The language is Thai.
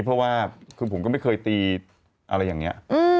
เพราะว่าคือผมก็ไม่เคยตีอะไรอย่างนี้